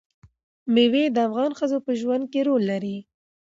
مېوې د افغان ښځو په ژوند کې رول لري.